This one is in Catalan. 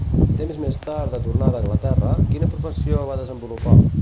Temps més tard de tornar d'Anglaterra, quina professió va desenvolupar?